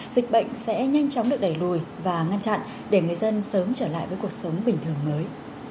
dịch bệnh sẽ nhanh chóng được đẩy lùi và ngăn chặn để người dân sớm trở lại với cuộc sống bình thường mới